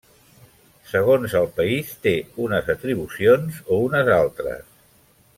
Segons el país, té unes atribucions o unes altres.